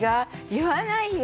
言わないよ